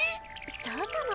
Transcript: そうかも。